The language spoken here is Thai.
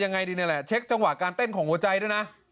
ยังไงดีนี่แหละเช็คจังหวะการเต้นของหัวใจด้วยนะ